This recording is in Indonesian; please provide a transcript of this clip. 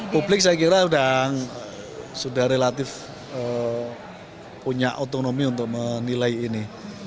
publik saya kira sudah relatif punya otonomi untuk menilai ini